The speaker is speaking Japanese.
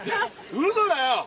うそだよ！